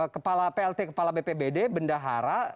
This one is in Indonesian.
kepala plt kepala bpbd bendahara